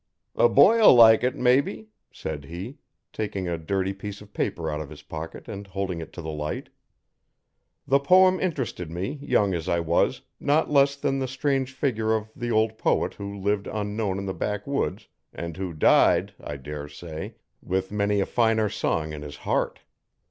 'The boy'll like it, mebbe,' said he, taking a dirty piece of paper out of his pocket and holding it to the light. The poem interested me, young as I was, not less than the strange figure of the old poet who lived unknown in the backwoods, and who died, I dare say, with many a finer song in his heart.